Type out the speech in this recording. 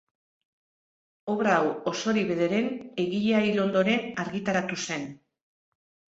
Obra hau, osorik bederen, egilea hil ondoren argitaratu zen.